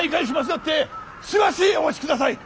よってしばしお待ちください！